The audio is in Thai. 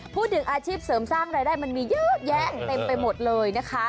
พูดถึงอาชีพเสริมสร้างรายได้มันมีเยอะแยะเต็มไปหมดเลยนะคะ